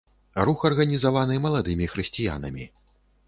Рух арганізаваны маладымі хрысціянамі.